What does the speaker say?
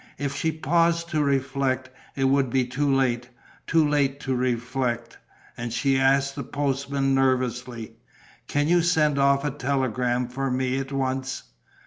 If she paused to reflect, it would be too late, too late to reflect. And she asked the postman, nervously: "Can you send off a telegram for me at once?"